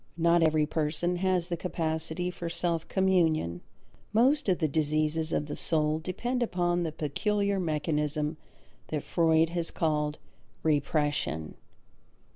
Not every person has the capacity for self communion. Most of the diseases of the soul depend upon the peculiar mechanism that Freud has called "repression."